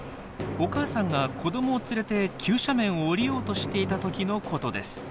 お母さんが子どもを連れて急斜面を下りようとしていた時のことです。